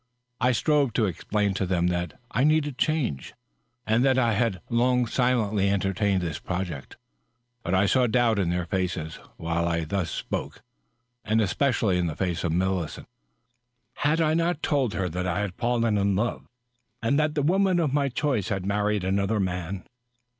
I strove to explain to them that I needed change, and that I had long silently entertained this project ; but I saw the doubt in their faces while I thus spoke — and especially in the face of Millicent. Had I not told her that I had fallen in love, and that the woman of my choice had married another man